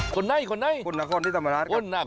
คนนัขคุณนครที่สำหรัฐครับครับครับ